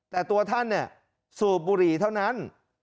แต่ตัวท่านเนี่ยสูบบุหรี่เท่านั้น